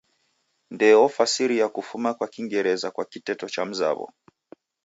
Ndee ofasiria kufuma kwa kingereza kwa kiteto chamzaw'o.